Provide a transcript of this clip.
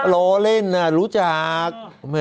โอ้โหล้อเล่นน่ะรู้จัก